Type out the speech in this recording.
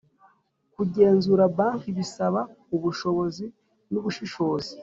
kugenzura banki bisaba ubushobozi nubushishozi